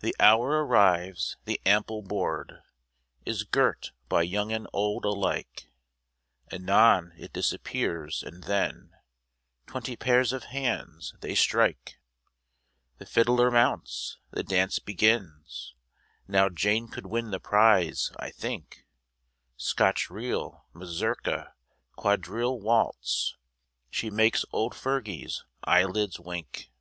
The hour arrives, the ample board Is girt by young and old alike, Anon it disappears, and then Twenty pairs of hands they strike, The fiddler mounts, the dance begins, Now Jane could win the prize, I think, Scotch reel, mazurka, quadrille, waltz, She make's old Fergie's eyelids wink.